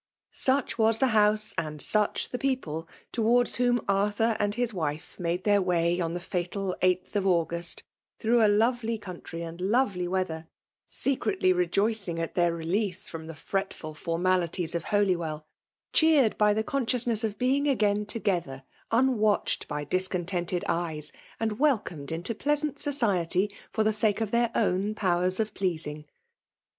Such was the house and such the people to* wards whom Arthur and his wife made thetP way on the fatal 8th of August, through a* lovely country and lovely weather ; secretly re joicing at their reTease from the fretful forma lities of Holywell, cheered by the conseionsness of being again together, unwatched by dfe * contented eyes, and welcomed into pleasant society for the sake of their own powers of L imALB DOlilKATlON, 161 pleasmg.